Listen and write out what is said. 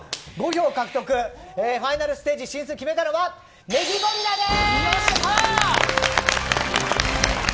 ５票獲得ファイナルステージ進出を決めたのはネギゴリラです。